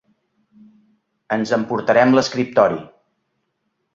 Ens emportarem l'escriptori.